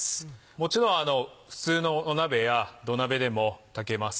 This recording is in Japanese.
もちろん普通の鍋や土鍋でも炊けます。